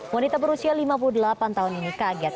wanita berusia lima puluh delapan tahun ini kaget